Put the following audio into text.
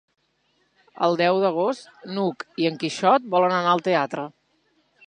El deu d'agost n'Hug i en Quixot volen anar al teatre.